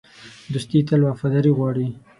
دوستي تل وفاداري غواړي.